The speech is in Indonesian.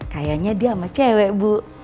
kayaknya dia sama cewek bu